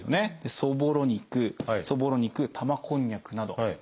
そぼろ肉そぼろ肉玉こんにゃくなど。